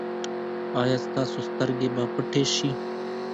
ایا ستاسو سترګې به پټې شي؟